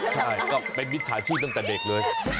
ใช่ก็เป็นมิจฉาชีพตั้งแต่เด็กเลย